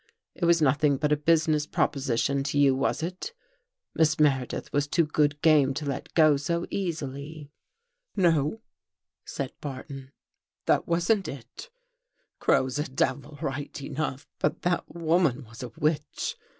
It was nothing but a business proposi tion to you, was it? Miss Meredith was too good game to let go so easily." " No," said Barton. " That wasn't it. Crow is 240 THE THIRD CONFESSION a devil right enough, but that woman was a witch.